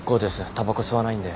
たばこ吸わないんで。